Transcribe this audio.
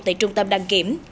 tại trung tâm đăng kiểm